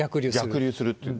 逆流するっていう。